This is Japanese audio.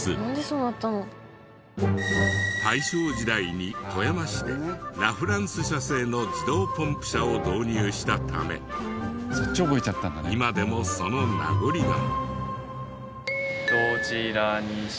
大正時代に富山市でラフランス社製の自動ポンプ車を導入したため今でもその名残が。